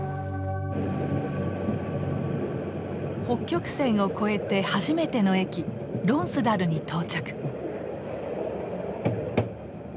北極線を越えて初めての駅ロンスダルに到着。